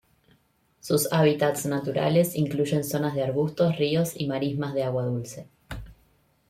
Sus hábitats naturales incluyen zonas de arbustos, ríos y marismas de agua dulce.